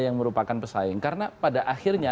yang merupakan pesaing karena pada akhirnya